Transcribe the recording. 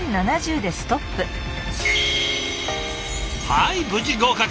はい無事合格。